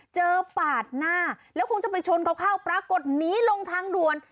ปาดหน้าแล้วคงจะไปชนเขาเข้าปรากฏหนีลงทางด่วน